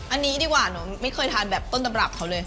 อันนี้ดีกว่าหนูไม่เคยทานแบบต้นตำรับเขาเลย